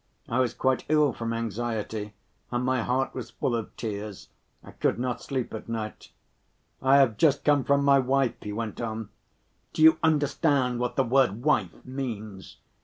I was quite ill from anxiety, and my heart was full of tears. I could not sleep at night. "I have just come from my wife," he went on. "Do you understand what the word 'wife' means?